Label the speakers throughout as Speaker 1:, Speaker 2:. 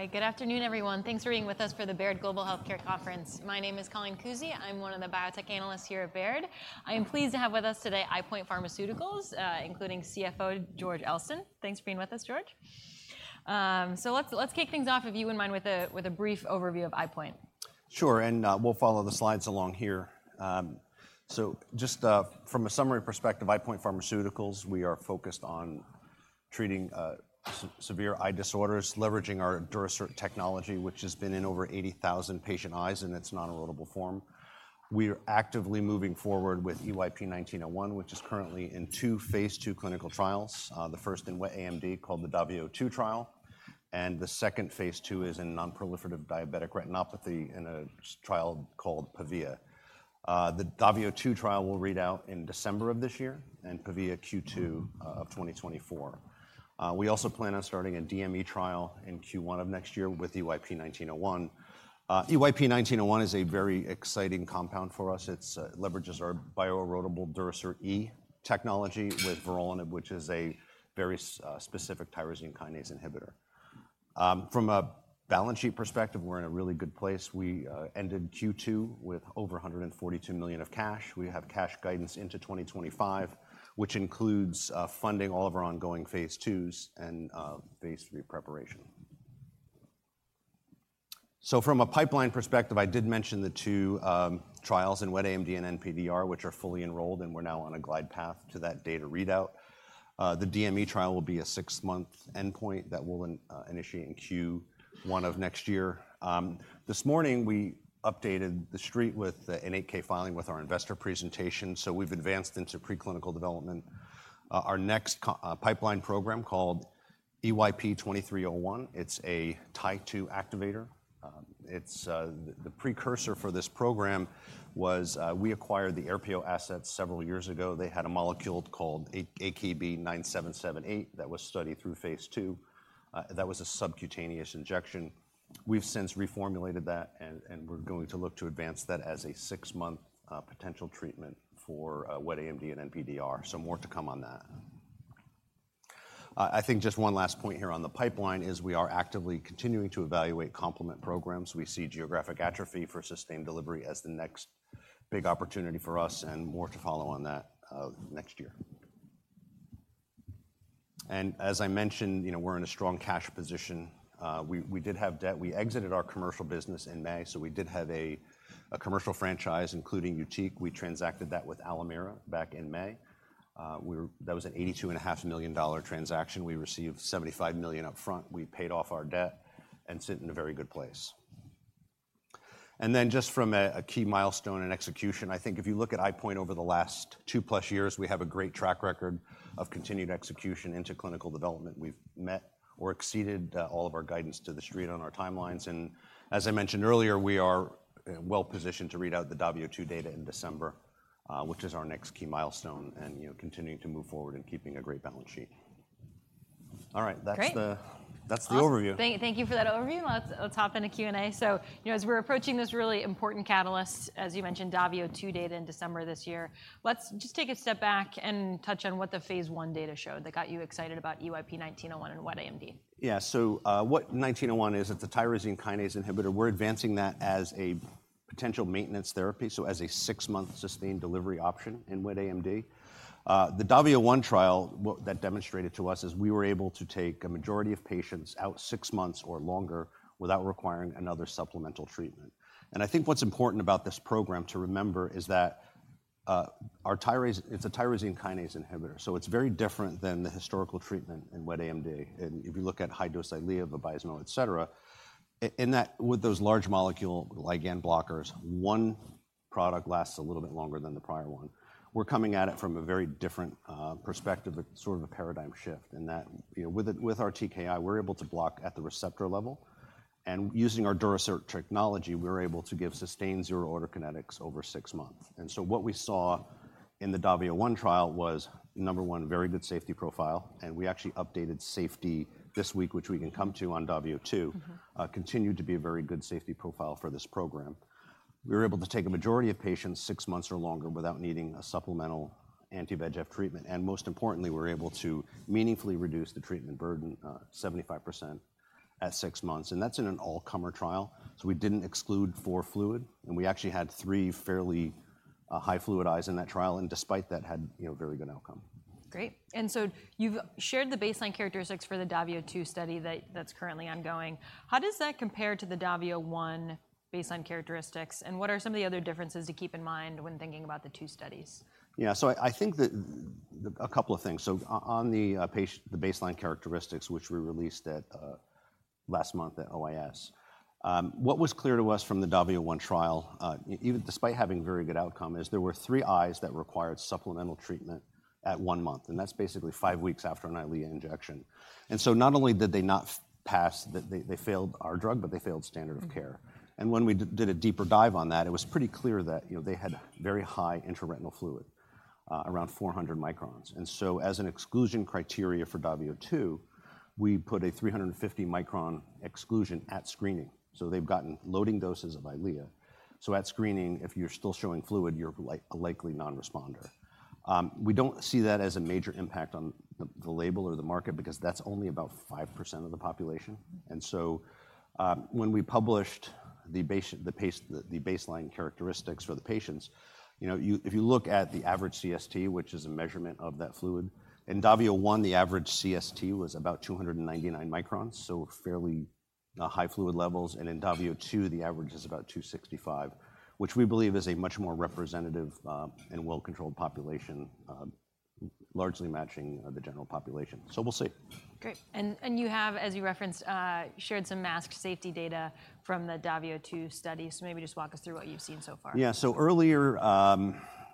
Speaker 1: All right. Good afternoon, everyone. Thanks for being with us for the Baird Global Healthcare Conference. My name is Colleen Kusy. I'm one of the biotech analysts here at Baird. I am pleased to have with us today, EyePoint Pharmaceuticals, including CFO George O. Elston. Thanks for being with us, George. So let's kick things off, if you wouldn't mind, with a brief overview of EyePoint.
Speaker 2: Sure, and we'll follow the slides along here. So just from a summary perspective, EyePoint Pharmaceuticals, we are focused on treating severe eye disorders, leveraging our Durasert technology, which has been in over 80,000 patient eyes in its non-erodible form. We are actively moving forward with EYP-1901, which is currently in two phase II clinical trials. The first in wet AMD, called the DAVIO 2 trial, and the second phase II is in non-proliferative diabetic retinopathy in a trial called PAVIA. The DAVIO 2 trial will read out in December of this year, and PAVIA, Q2 of 2024. We also plan on starting a DME trial in Q1 of next year with EYP-1901. EYP-1901 is a very exciting compound for us. It's leverages our bioerodible Durasert E technology with vorolanib, which is a very specific tyrosine kinase inhibitor. From a balance sheet perspective, we're in a really good place. We ended Q2 with over $142 million of cash. We have cash guidance into 2025, which includes funding all of our ongoing phase IIs and phase III preparation. So from a pipeline perspective, I did mention the two trials in wet AMD and NPDR, which are fully enrolled, and we're now on a glide path to that data readout. The DME trial will be a six-month endpoint that we'll initiate in Q1 of next year. This morning, we updated the Street with an 8-K filing with our investor presentation, so we've advanced into preclinical development. Our next pipeline program called EYP-2301, it's a TIE-2 activator. The precursor for this program was, we acquired the Aerpio assets several years ago. They had a molecule called AKB-9778 that was studied through phase II. That was a subcutaneous injection. We've since reformulated that, and we're going to look to advance that as a 6-month potential treatment for wet AMD and NPDR. So more to come on that. I think just one last point here on the pipeline is we are actively continuing to evaluate complement programs. We see geographic atrophy for sustained delivery as the next big opportunity for us, and more to follow on that next year. As I mentioned, you know, we're in a strong cash position. We did have debt. We exited our commercial business in May, so we did have a commercial franchise, including YUTIQ. We transacted that with Alimera back in May. We were—that was an $82.5 million transaction. We received $75 million upfront. We paid off our debt and sit in a very good place. And then, just from a key milestone and execution, I think if you look at EyePoint over the last 2+ years, we have a great track record of continued execution into clinical development. We've met or exceeded all of our guidance to the Street on our timelines, and as I mentioned earlier, we are well positioned to read out the DAVIO 2 data in December, which is our next key milestone, and, you know, continuing to move forward and keeping a great balance sheet. All right.
Speaker 1: Great.
Speaker 2: That's the, that's the overview.
Speaker 1: Thank you, thank you for that overview. Let's, let's hop into Q&A. So, you know, as we're approaching this really important catalyst, as you mentioned, DAVIO 2 data in December this year, let's just take a step back and touch on what the phase I data showed that got you excited about EYP-1901 and wet AMD.
Speaker 2: Yeah. So, what 1901 is, it's a tyrosine kinase inhibitor. We're advancing that as a potential maintenance therapy, so as a six-month sustained delivery option in wet AMD. The DAVIO 1 trial, what that demonstrated to us is we were able to take a majority of patients out six months or longer without requiring another supplemental treatment. And I think what's important about this program to remember is that, it's a tyrosine kinase inhibitor, so it's very different than the historical treatment in wet AMD. And if you look at high-dose Eylea, the Vabysmo, et cetera, and that with those large molecule ligand blockers, one product lasts a little bit longer than the prior one. We're coming at it from a very different perspective, a sort of a paradigm shift in that, you know, with it, with our TKI, we're able to block at the receptor level, and using our Durasert technology, we're able to give sustained zero order kinetics over six months. So what we saw in the DAVIO 1 trial was, number one, very good safety profile, and we actually updated safety this week, which we can come to on DAVIO 2. Continued to be a very good safety profile for this program. We were able to take a majority of patients six months or longer without needing a supplemental anti-VEGF treatment, and most importantly, we're able to meaningfully reduce the treatment burden, 75% at six months, and that's in an all-comer trial. So we didn't exclude for fluid, and we actually had three fairly high fluid eyes in that trial, and despite that, had, you know, very good outcome.
Speaker 1: Great. So you've shared the baseline characteristics for the DAVIO 2 study that's currently ongoing. How does that compare to the DAVIO 1 baseline characteristics, and what are some of the other differences to keep in mind when thinking about the two studies?
Speaker 2: Yeah. So I think that a couple of things. So on the baseline characteristics, which we released at last month at OIS, what was clear to us from the DAVIO 1 trial, despite having very good outcome, is there were three eyes that required supplemental treatment at one month, and that's basically five weeks after an EYLEA injection. And so not only did they not pass, that they, they failed our drug, but they failed standard of care. And when we did a deeper dive on that, it was pretty clear that, you know, they had very high intraretinal fluid around 400 microns. And so as an exclusion criteria for DAVIO 2, we put a 350-micron exclusion at screening. So they've gotten loading doses of EYLEA. So at screening, if you're still showing fluid, you're like a likely non-responder. We don't see that as a major impact on the label or the market, because that's only about 5% of the population. And so, when we published the baseline characteristics for the patients, you know, if you look at the average CST, which is a measurement of that fluid, in DAVIO 1, the average CST was about 299 microns, so fairly high fluid levels. In DAVIO 2, the average is about 265, which we believe is a much more representative and well-controlled population, largely matching the general population. So we'll see.
Speaker 1: Great. And you have, as you referenced, shared some masked safety data from the DAVIO 2 study. So maybe just walk us through what you've seen so far.
Speaker 2: Yeah. So earlier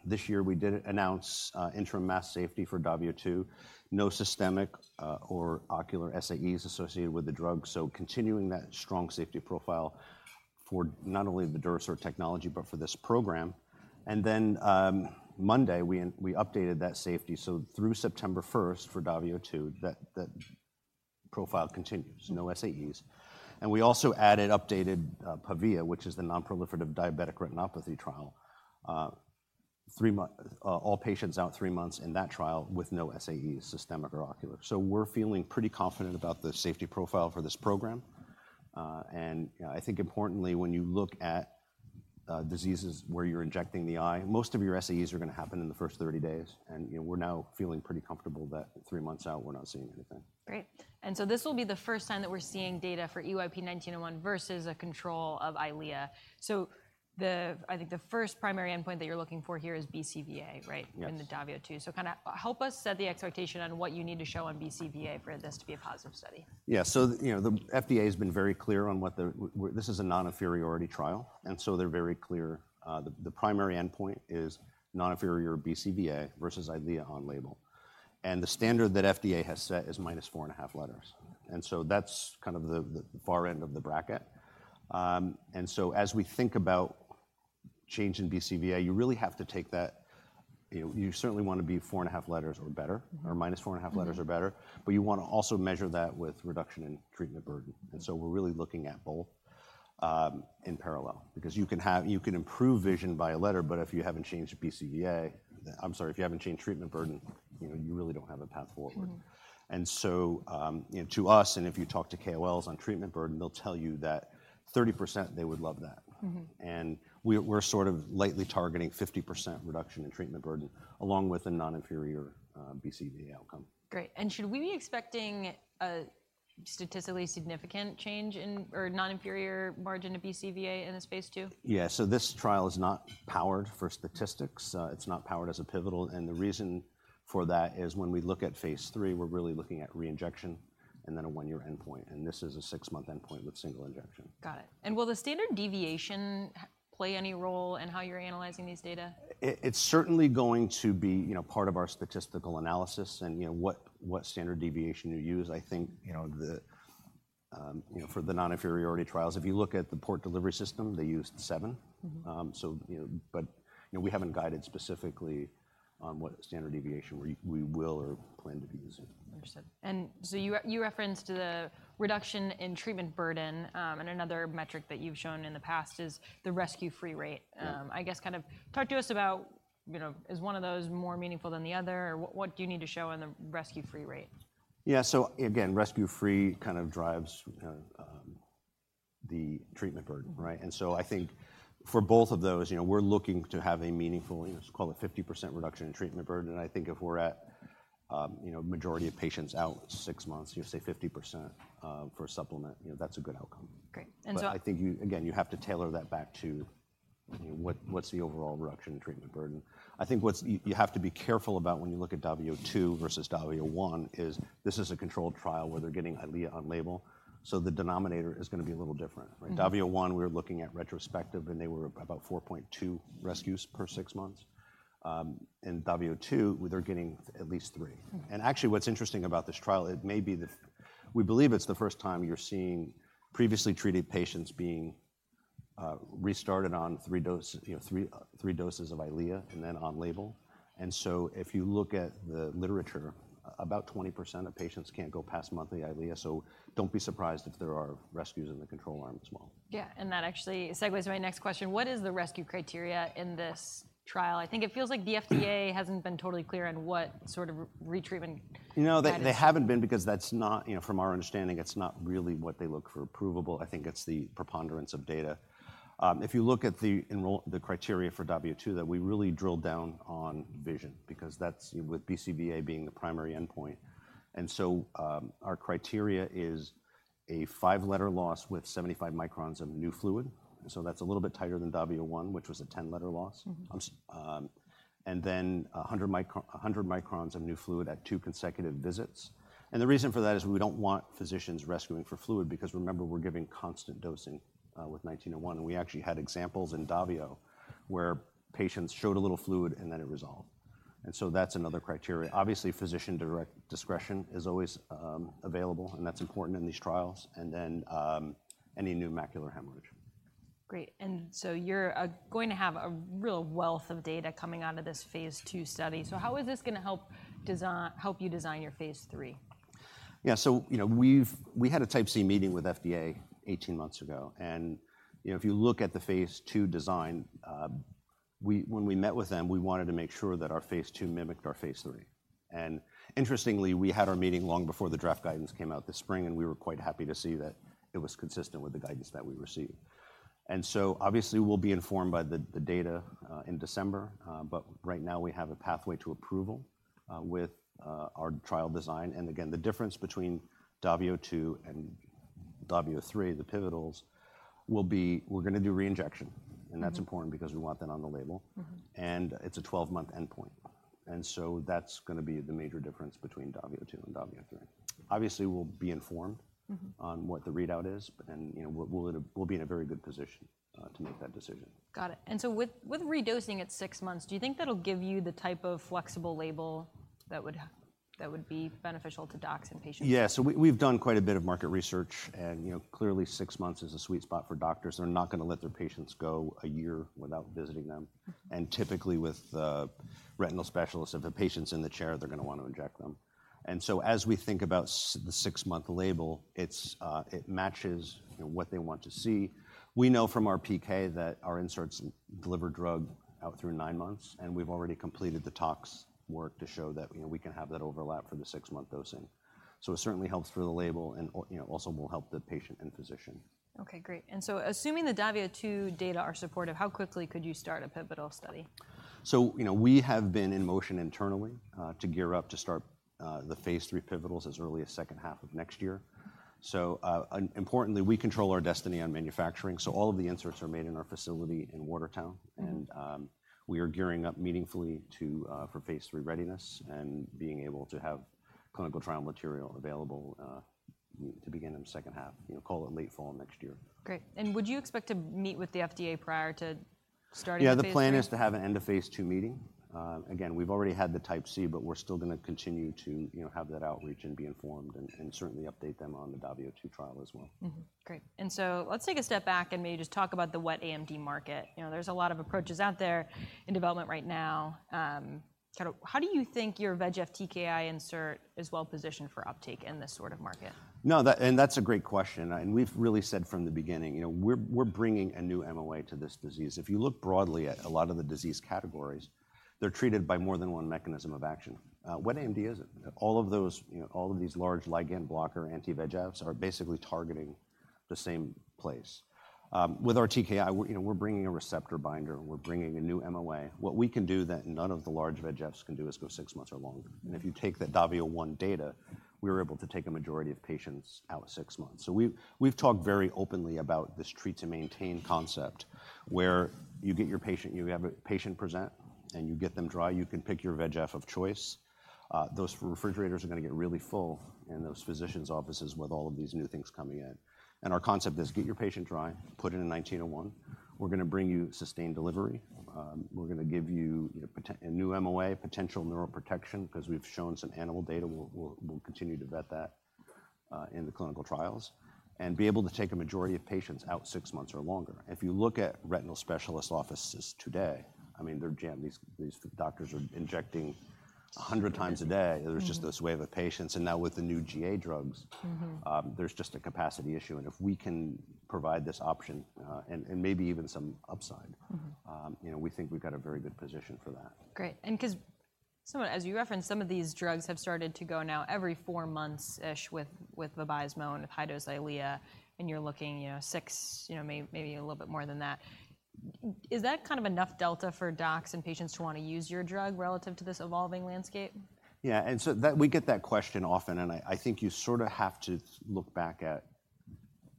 Speaker 2: this year, we did announce interim data safety for DAVIO 2. No systemic or ocular SAEs associated with the drug, so continuing that strong safety profile for not only the Durasert technology but for this program. And then Monday, we updated that safety, so through September first, for DAVIO 2, that profile continues. No SAEs. We also added updated PAVIA, which is the non-proliferative diabetic retinopathy trial. All patients out three months in that trial with no SAEs, systemic or ocular. So we're feeling pretty confident about the safety profile for this program. I think importantly, when you look at diseases where you're injecting the eye, most of your SAEs are gonna happen in the first 30 days, and, you know, we're now feeling pretty comfortable that three months out, we're not seeing anything.
Speaker 1: Great. And so this will be the first time that we're seeing data for EYP-1901 versus a control of EYLEA. So I think the first primary endpoint that you're looking for here is BCVA, right?
Speaker 2: Yes.
Speaker 1: In the DAVIO 2. So kinda help us set the expectation on what you need to show on BCVA for this to be a positive study.
Speaker 2: Yeah, so, you know, the FDA has been very clear on what this is a non-inferiority trial, and so they're very clear. The primary endpoint is non-inferior BCVA versus Eylea on label. The standard that FDA has set is -4.5 letters. So that's kind of the far end of the bracket. As we think about change in BCVA, you really have to take that, you know, you certainly want to be 4.5 letters or better, or -4.5 letters or better, but you want to also measure that with reduction in treatment burden. We're really looking at both in parallel, because you can have, you can improve vision by a letter, but if you haven't changed BCVA. I'm sorry, if you haven't changed treatment burden, you know, you really don't have a path forward. You know, to us, and if you talk to KOLs on treatment burden, they'll tell you that 30%, they would love that. We, we're sort of lightly targeting 50% reduction in treatment burden, along with a non-inferior BCVA outcome.
Speaker 1: Great, and should we be expecting a statistically significant change in... or non-inferior margin to BCVA in this phase two?
Speaker 2: Yeah, so this trial is not powered for statistics. It's not powered as a pivotal, and the reason for that is, when we look at Phase III, we're really looking at re-injection and then a 1-year endpoint, and this is a 6-month endpoint with single injection.
Speaker 1: Got it. Will the standard deviation play any role in how you're analyzing these data?
Speaker 2: It's certainly going to be, you know, part of our statistical analysis and, you know, what standard deviation you use. I think, you know, the, you know, for the non-inferiority trials, if you look at the Port Delivery System, they used 7. So, you know, but, you know, we haven't guided specifically on what standard deviation we will or plan to be using.
Speaker 1: Understood. And so you referenced the reduction in treatment burden, and another metric that you've shown in the past is the rescue free rate. I guess kind of talk to us about, you know, is one of those more meaningful than the other, or what? What do you need to show in the rescue-free rate?
Speaker 2: Yeah, so again, rescue free kind of drives, the treatment burden, right? And so I think for both of those, you know, we're looking to have a meaningful, let's call it 50% reduction in treatment burden, and I think if we're at, you know, majority of patients out six months, you say 50%, for a supplement, you know, that's a good outcome.
Speaker 1: Great, and so-
Speaker 2: But I think you, again, you have to tailor that back to, you know, what's the overall reduction in treatment burden? I think what's... you have to be careful about when you look at DAVIO 2 versus DAVIO 1, this is a controlled trial where they're getting EYLEA on label, so the denominator is gonna be a little different, right? DAVIO 1, we're looking at retrospective, and they were about 4.2 rescues per 6 months. In DAVIO 2, they're getting at least 3. Actually, what's interesting about this trial, it may be the—we believe it's the first time you're seeing previously treated patients being restarted on 3-dose, you know, 3, 3 doses of EYLEA, and then on label. And so if you look at the literature, about 20% of patients can't go past monthly EYLEA, so don't be surprised if there are rescues in the control arm as well.
Speaker 1: Yeah, and that actually segues to my next question. What is the rescue criteria in this trial? I think it feels like the FDA... hasn't been totally clear on what sort of retreatment guidance-
Speaker 2: You know, they, they haven't been, because that's not, you know, from our understanding, it's not really what they look for approvable. I think it's the preponderance of data. If you look at the criteria for DAVIO 2, that we really drilled down on vision, because that's, with BCVA being the primary endpoint. And so, our criteria is a 5-letter loss with 75 microns of new fluid, and so that's a little bit tighter than DAVIO 1, which was a 10-letter loss and then 100 microns of new fluid at 2 consecutive visits. And the reason for that is we don't want physicians rescuing for fluid, because remember, we're giving constant dosing with 1901, and we actually had examples in DAVIO where patients showed a little fluid, and then it resolved. And so that's another criteria. Obviously, physician direct discretion is always available, and that's important in these trials, and then any new macular hemorrhage.
Speaker 1: Great, and so you're going to have a real wealth of data coming out of this phase II study. So how is this gonna help you design your phase III?
Speaker 2: Yeah, so, you know, we've had a Type C meeting with FDA 18 months ago, and, you know, if you look at the phase 2 design, when we met with them, we wanted to make sure that our phase 2 mimicked our phase 3. And interestingly, we had our meeting long before the draft guidance came out this spring, and we were quite happy to see that it was consistent with the guidance that we received. And so obviously, we'll be informed by the data in December, but right now we have a pathway to approval with our trial design. And again, the difference between DAVIO 2 and DAVIO 3, the pivotals, will be we're gonna do re-injection, and that's important because we want that on the label. It's a 12-month endpoint, and so that's gonna be the major difference between DAVIO 2 and DAVIO 3. Obviously, we'll be informed on what the readout is, but then, you know, we'll be in a very good position to make that decision.
Speaker 1: Got it. And so with redosing at six months, do you think that'll give you the type of flexible label that would, that would be beneficial to docs and patients?
Speaker 2: Yeah. So we've done quite a bit of market research and, you know, clearly, six months is a sweet spot for doctors. They're not gonna let their patients go a year without visiting them. Typically, with retinal specialists, if a patient's in the chair, they're gonna want to inject them. So as we think about the six-month label, it's it matches, you know, what they want to see. We know from our PK that our inserts deliver drug out through nine months, and we've already completed the tox work to show that, you know, we can have that overlap for the six-month dosing. So it certainly helps for the label and you know, also will help the patient and physician.
Speaker 1: Okay, great. And so assuming the DAVIO 2 data are supportive, how quickly could you start a pivotal study?
Speaker 2: So, you know, we have been in motion internally to gear up to start the phase III pivotals as early as second half of next year. Importantly, we control our destiny on manufacturing, so all of the inserts are made in our facility in Watertown. We are gearing up meaningfully to for phase III readiness and being able to have clinical trial material available to begin in the second half, you know, call it late fall next year.
Speaker 1: Great. Would you expect to meet with the FDA prior to starting the phase III?
Speaker 2: Yeah, the plan is to have an end of phase II meeting. Again, we've already had the Type C, but we're still gonna continue to, you know, have that outreach and be informed and certainly update them on the DAVIO 2 trial as well.
Speaker 1: Mm-hmm. Great. And so let's take a step back and maybe just talk about the wet AMD market. You know, there's a lot of approaches out there in development right now. Kind of how do you think your VEGF TKI insert is well positioned for uptake in this sort of market?
Speaker 2: No. And that's a great question, and we've really said from the beginning, you know, we're bringing a new MOA to this disease. If you look broadly at a lot of the disease categories, they're treated by more than one mechanism of action. Wet AMD isn't. All of those, you know, all of these large ligand blocker, anti-VEGFs, are basically targeting the same place. With our TKI, we're, you know, bringing a receptor binder, and we're bringing a new MOA. What we can do that none of the large VEGFs can do is go six months or longer. If you take the DAVIO 1 data, we were able to take a majority of patients out six months. So we've talked very openly about this treat to maintain concept, where you get your patient, you have a patient present, and you get them dry. You can pick your VEGF of choice. Those refrigerators are gonna get really full in those physicians offices with all of these new things coming in. And our concept is: Get your patient dry, put in a 1901. We're gonna bring you sustained delivery. We're gonna give you, you know, a new MOA, potential neuroprotection, 'cause we've shown some animal data. We'll continue to vet that in the clinical trials and be able to take a majority of patients out six months or longer. If you look at retinal specialist offices today, I mean, they're jammed. These doctors are injecting 100 times a day. There's just this wave of patients, and now with the new GA drugs there's just a capacity issue, and if we can provide this option, and maybe even some upside you know, we think we've got a very good position for that.
Speaker 1: Great, and 'cause—as you referenced, some of these drugs have started to go now every 4 months-ish, with Vabysmo and high-dose EYLEA, and you're looking, you know, 6, you know, maybe a little bit more than that. Is that kind of enough delta for docs and patients to want to use your drug relative to this evolving landscape?
Speaker 2: Yeah, and so we get that question often, and I think you sort of have to look back at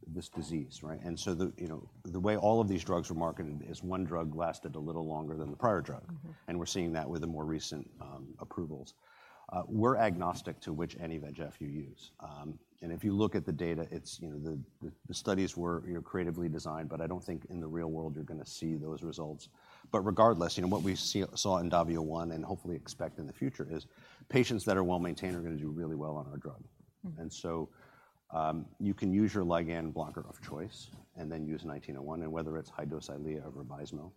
Speaker 2: this disease, right? And so the, you know, the way all of these drugs were marketed is, one drug lasted a little longer than the prior drug. We're seeing that with the more recent approvals. We're agnostic to which anti-VEGF you use. And if you look at the data, it's, you know, the studies were, you know, creatively designed, but I don't think in the real world you're gonna see those results. But regardless, you know, what we saw in DAVIO 1, and hopefully expect in the future, is patients that are well-maintained are gonna do really well on our drug. So, you can use your ligand blocker of choice and then use EYP-1901, and whether it's high-dose EYLEA or Vabysmo,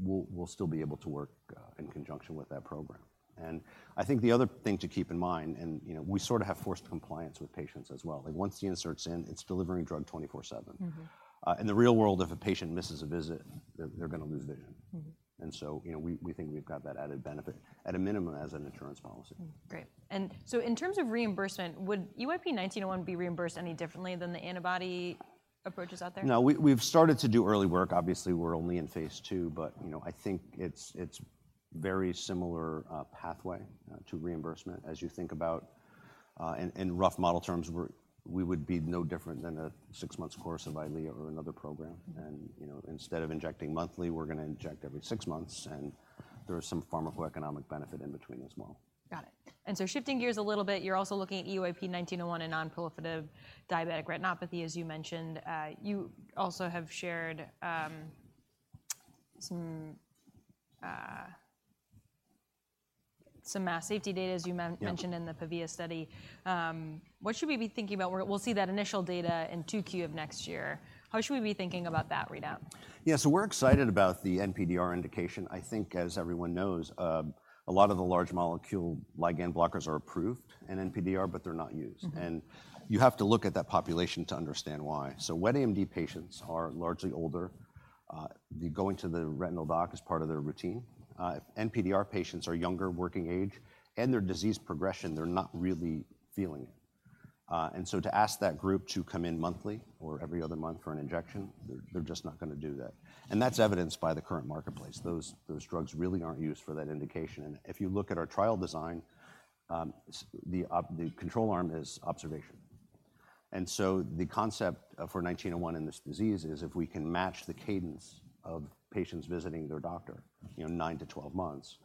Speaker 2: we'll still be able to work in conjunction with that program. And I think the other thing to keep in mind, and, you know, we sort of have forced compliance with patients as well. Like, once the insert's in, it's delivering drug 24/7. In the real world, if a patient misses a visit, they're gonna lose vision. And so, you know, we think we've got that added benefit at a minimum, as an insurance policy.
Speaker 1: Great, and so in terms of reimbursement, would EYP-1901 be reimbursed any differently than the antibody approaches out there?
Speaker 2: No, we've started to do early work. Obviously, we're only in phase 2, but you know, I think it's very similar pathway to reimbursement as you think about. In rough model terms, we would be no different than a 6-month course of EYLEA or another program. You know, instead of injecting monthly, we're gonna inject every six months, and there is some pharmacoeconomic benefit in between as well.
Speaker 1: Got it, and so shifting gears a little bit, you're also looking at EYP-1901 in non-proliferative diabetic retinopathy, as you mentioned. You also have shared some more safety data, as you men
Speaker 2: Yeah.
Speaker 1: Mentioned in the PAVIA study. What should we be thinking about? We'll see that initial data in 2Q of next year. How should we be thinking about that readout?
Speaker 2: Yeah, so we're excited about the NPDR indication. I think, as everyone knows, a lot of the large molecule ligand blockers are approved in NPDR, but they're not used. You have to look at that population to understand why. So wet AMD patients are largely older, they go into the retinal doc as part of their routine. If NPDR patients are younger, working age, and their disease progression, they're not really feeling it. And so to ask that group to come in monthly or every other month for an injection, they're, they're just not gonna do that, and that's evidenced by the current marketplace. Those, those drugs really aren't used for that indication. And if you look at our trial design, the control arm is observation. The concept for 1901 in this disease is, if we can match the cadence of patients visiting their doctor, you know, 9-12 months,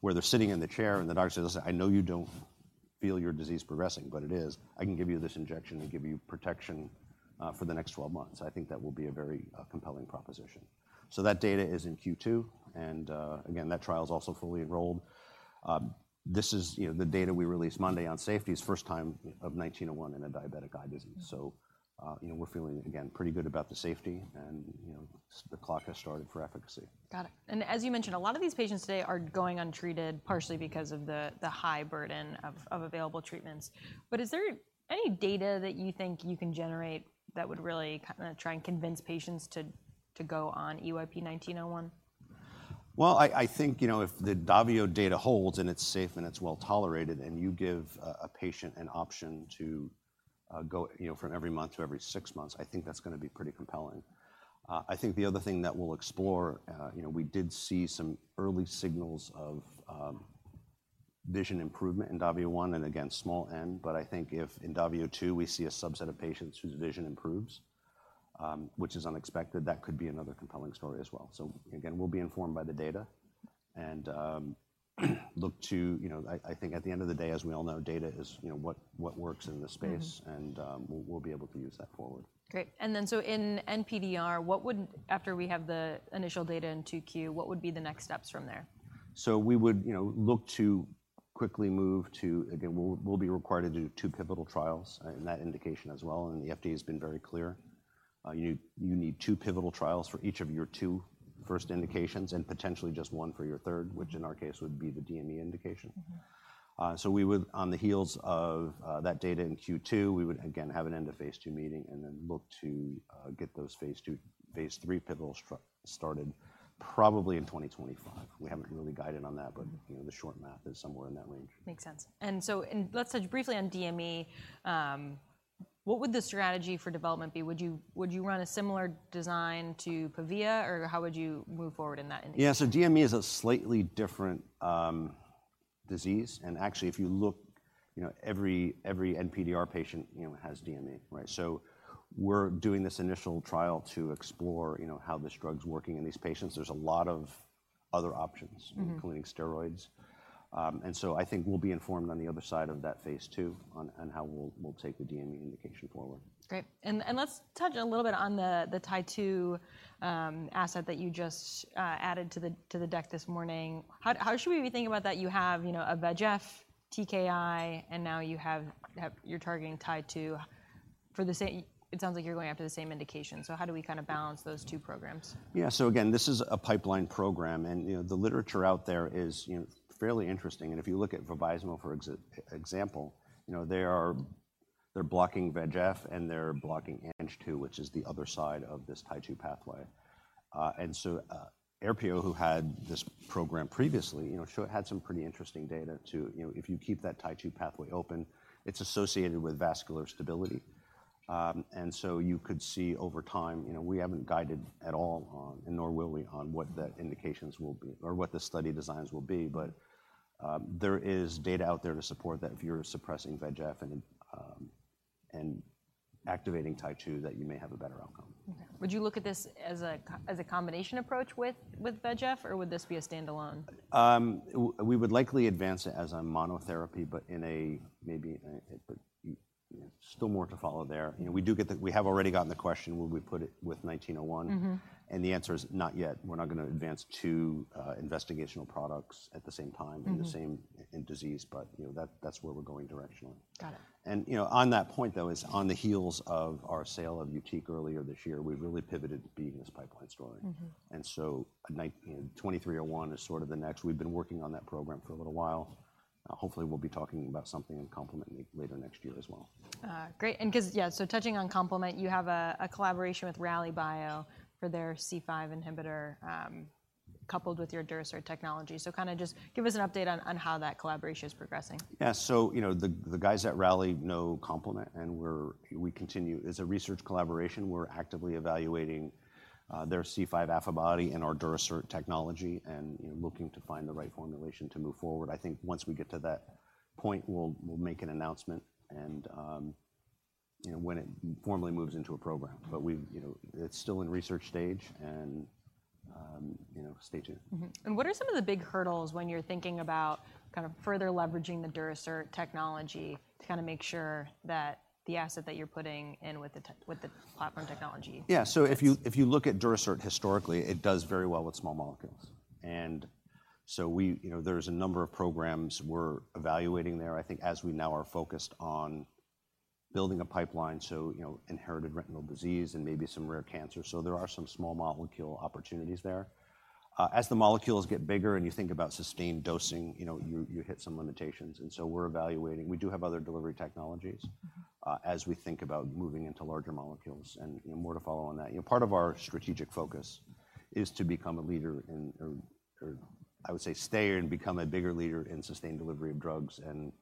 Speaker 2: where they're sitting in the chair, and the doctor says: "I know you don't feel your disease progressing, but it is. I can give you this injection and give you protection for the next 12 months." I think that will be a very compelling proposition. So that data is in Q2, and again, that trial is also fully enrolled. This is, you know, the data we released Monday on safety's first time of 1901 in a diabetic eye disease. You know, we're feeling, again, pretty good about the safety, and, you know, the clock has started for efficacy.
Speaker 1: Got it. And as you mentioned, a lot of these patients today are going untreated, partially because of the, the high burden of, of available treatments. But is there any data that you think you can generate that would really kind of try and convince patients to, to go on EYP-1901?
Speaker 2: Well, I think, you know, if the DAVIO data holds, and it's safe, and it's well-tolerated, and you give a patient an option to, you know, go from every month to every six months, I think that's gonna be pretty compelling. I think the other thing that we'll explore, you know, we did see some early signals of vision improvement in DAVIO 1, and again, small n. But I think if in DAVIO 2, we see a subset of patients whose vision improves, which is unexpected, that could be another compelling story as well. So again, we'll be informed by the data and look to... You know, I think at the end of the day, as we all know, data is, you know, what works in this space and we'll be able to use that forward.
Speaker 1: Great, in NPDR, after we have the initial data in 2Q, what would be the next steps from there?
Speaker 2: So we would, you know, look to quickly move to... Again, we'll be required to do two pivotal trials, in that indication as well, and the FDA has been very clear. You need two pivotal trials for each of your two first indications and potentially just one for your third, which in our case, would be the DME indication. So we would, on the heels of that data in Q2, we would again have an end-of-phase II meeting and then look to get those phase II, phase III pivotal studies started probably in 2025. We haven't really guided on that, but you know, the short math is somewhere in that range.
Speaker 1: Makes sense. So, let's touch briefly on DME. What would the strategy for development be? Would you run a similar design to PAVIA, or how would you move forward in that initiative?
Speaker 2: Yeah, so DME is a slightly different, disease, and actually, if you look, you know, every, every NPDR patient, you know, has DME, right? So we're doing this initial trial to explore, you know, how this drug's working in these patients. There's a lot of other options including steroids. So I think we'll be informed on the other side of that phase II on how we'll take the DME indication forward.
Speaker 1: Great, and let's touch a little bit on the TYRO3 asset that you just added to the deck this morning. How should we be thinking about that? You have, you know, a VEGF-TKI, and now you have, you're targeting TYRO3. For the same... It sounds like you're going after the same indication, so how do we kind of balance those two programs?
Speaker 2: Yeah, so again, this is a pipeline program, and, you know, the literature out there is, you know, fairly interesting, and if you look at Vabysmo, for example, you know, they're blocking VEGF, and they're blocking Ang2, which is the other side of this TIE-2 pathway. And so, Aerpio, who had this program previously, you know, had some pretty interesting data. You know, if you keep that TIE-2 pathway open, it's associated with vascular stability. And so you could see over time, you know, we haven't guided at all on, and nor will we, on what the indications will be or what the study designs will be, but, there is data out there to support that if you're suppressing VEGF and, and activating TIE-2, that you may have a better outcome.
Speaker 1: Okay. Would you look at this as a combination approach with VEGF, or would this be a standalone?
Speaker 2: We would likely advance it as a monotherapy, but in a maybe, but, you know, still more to follow there. You know, we do get the question, we have already gotten the question, will we put it with 1901? And the answer is not yet. We're not gonna advance two investigational products at the same time in the same disease, but you know, that's where we're going directionally.
Speaker 1: Got it.
Speaker 2: And, you know, on that point, though, is on the heels of our sale of YUTIQ earlier this year. We've really pivoted to being this pipeline story. EYP-2301 is sort of the next. We've been working on that program for a little while. Hopefully, we'll be talking about something in complement later next year as well.
Speaker 1: Great, and 'cause yeah, so touching on complement, you have a collaboration with Rallybio for their C5 inhibitor, coupled with your Durasert technology. So kind of just give us an update on how that collaboration is progressing.
Speaker 2: Yeah, so, you know, the guys at Rally know complement, and we continue. As a research collaboration, we're actively evaluating their C5 antibody and our Durasert technology and, you know, looking to find the right formulation to move forward. I think once we get to that point, we'll make an announcement and, you know, when it formally moves into a program. But we've, you know, it's still in research stage and, you know, stay tuned.
Speaker 1: What are some of the big hurdles when you're thinking about kind of further leveraging the Durasert technology to kind of make sure that the asset that you're putting in with the platform technology?
Speaker 2: Yeah, so if you look at Durasert historically, it does very well with small molecules. And so we, you know, there's a number of programs we're evaluating there. I think as we now are focused on building a pipeline, so, you know, inherited retinal disease and maybe some rare cancer. So there are some small molecule opportunities there. As the molecules get bigger and you think about sustained dosing, you know, you hit some limitations, and so we're evaluating. We do have other delivery technologies as we think about moving into larger molecules, and, you know, more to follow on that. You know, part of our strategic focus is to become a leader in, or, or I would say, stay and become a bigger leader in sustained delivery of drugs. And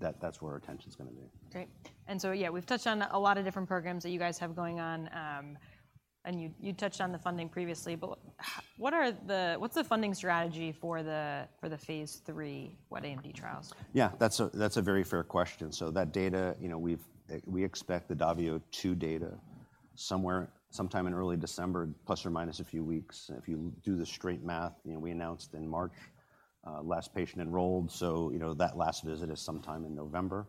Speaker 2: that, that's where our attention is gonna be.
Speaker 1: Great. And so, yeah, we've touched on a lot of different programs that you guys have going on, and you touched on the funding previously, but what's the funding strategy for the, for the phase III wet AMD trials?
Speaker 2: Yeah, that's a very fair question. So that data, you know, we've, we expect the DAVIO 2 data sometime in early December, plus or minus a few weeks. If you do the straight math, you know, we announced in March, last patient enrolled, so, you know, that last visit is sometime in November.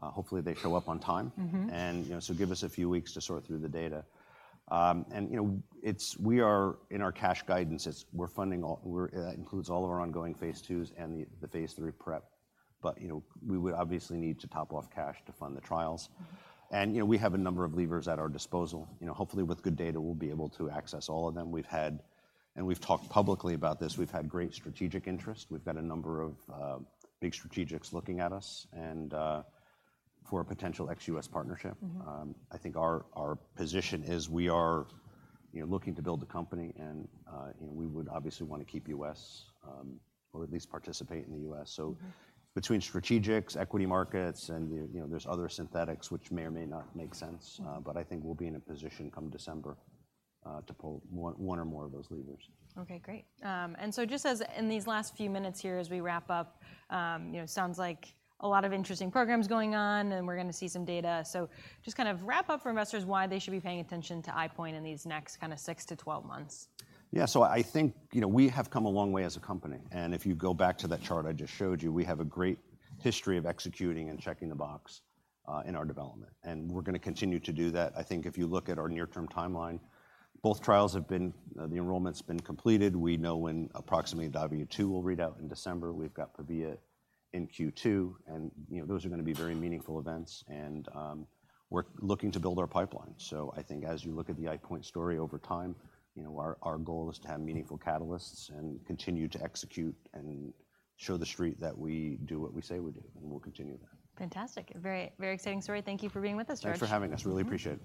Speaker 2: Hopefully, they show up on time. And, you know, so give us a few weeks to sort through the data. And, you know, it's—we are in our cash guidance, it's... We're funding all, we're, includes all of our ongoing phase IIs and the, the phase III prep. But, you know, we would obviously need to top off cash to fund the trials. You know, we have a number of levers at our disposal. You know, hopefully, with good data, we'll be able to access all of them. We've had, and we've talked publicly about this, we've had great strategic interest. We've got a number of big strategics looking at us and for a potential ex-US partnership. I think our position is we are, you know, looking to build a company, and you know, we would obviously want to keep U.S., or at least participate in the U.S. So between strategics, equity markets, and, you know, there's other synthetics which may or may not make sense. But I think we'll be in a position come December to pull one or more of those levers.
Speaker 1: Okay, great. And so just as in these last few minutes here, as we wrap up, you know, sounds like a lot of interesting programs going on, and we're gonna see some data. So just kind of wrap up for investors why they should be paying attention to EyePoint in these next kind of 6-12 months.
Speaker 2: Yeah. So I think, you know, we have come a long way as a company, and if you go back to that chart I just showed you, we have a great history of executing and checking the box in our development, and we're gonna continue to do that. I think if you look at our near-term timeline, both trials have been, the enrollment's been completed. We know when approximately DAVIO 2 will read out in December. We've got PAVIA in Q2, and, you know, those are gonna be very meaningful events and, we're looking to build our pipeline. So I think as you look at the EyePoint story over time, you know, our, our goal is to have meaningful catalysts and continue to execute and show the Street that we do what we say we do, and we'll continue that.
Speaker 1: Fantastic. Very, very exciting story. Thank you for being with us, George.
Speaker 2: Thanks for having us. Really appreciate it.